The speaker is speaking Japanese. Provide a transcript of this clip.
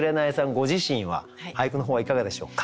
ご自身は俳句の方はいかがでしょうか？